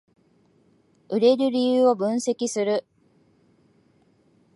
売れる理由を分析する